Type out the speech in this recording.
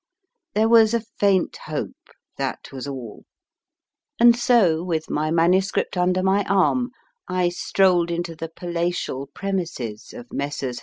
There was a faint hope, that was all ; and so, with my MS. under my arm, I strolled into the palatial premises of Messrs.